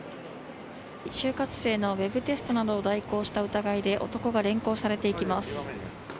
就活生のウェブテストなどを代行した疑いで男が連行されていきます。